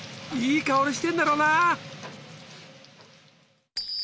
いい香りしてんだろうな。